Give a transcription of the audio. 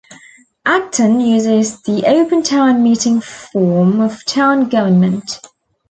Acton uses the Open Town Meeting form of town government.